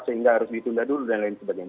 sehingga harus ditunda dulu dan lain sebagainya